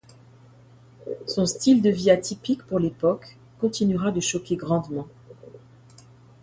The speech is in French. Son style de vie atypique pour l’époque continuera de choquer grandement.